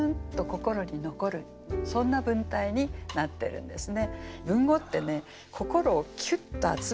そんな文体になってるんですね。